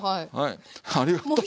ありがとう。